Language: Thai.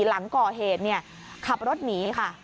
หลังก่อเหตุขับรถหนีค่ะ